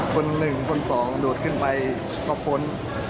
คน๑คน๒โดดขึ้นไปก็พ้น